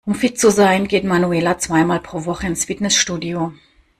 Um fit zu sein, geht Manuela zweimal pro Woche ins Fitnessstudio.